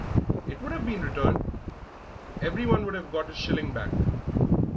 "It would have been returned everyone would have got his shilling back."